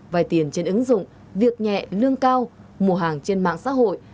vài tiền trên ứng dụng việc nhẹ lương cao mùa hàng trên mạng xã hội